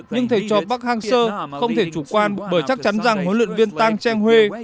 nhưng thể cho park hang seo không thể chủ quan bởi chắc chắn rằng huấn luyện viên tang cheng hue